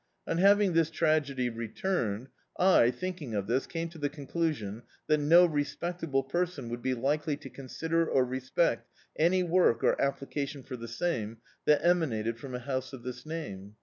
On having this tragedy returned, I, thinking of diis, came to the conclusion that no respectable per son would be likely to consider or respect any work, or application for the same, that emanated frcxn a house of this name.